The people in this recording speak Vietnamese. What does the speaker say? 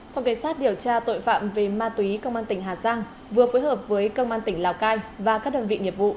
phòng cảnh sát điều tra tội phạm về ma túy công an tỉnh hà giang vừa phối hợp với công an tỉnh lào cai và các đơn vị nghiệp vụ